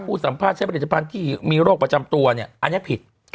สัมภาษณ์ใช้ผลิตภัณฑ์ที่มีโรคประจำตัวเนี่ยอันนี้ผิด